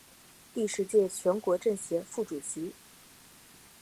第十届全国政协副主席。